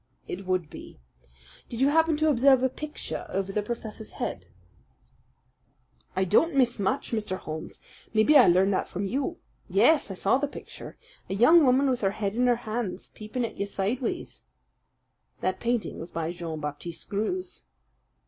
"It would be. Did you happen to observe a picture over the professor's head?" "I don't miss much, Mr. Holmes. Maybe I learned that from you. Yes, I saw the picture a young woman with her head on her hands, peeping at you sideways." "That painting was by Jean Baptiste Greuze."